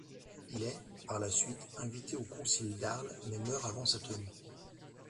Il est, par la suite, invité au concile d'Arles mais meurt avant sa tenue.